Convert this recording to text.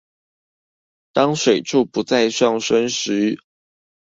當水柱不再上升時